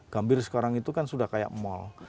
gambir sekarang itu kan sudah kayak mall